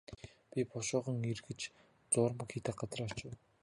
Би бушуухан эргэж зуурмаг хийдэг газраа очив.